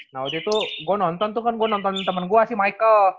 nah waktu itu gue nonton tuh kan gue nontonin temen gue sih michael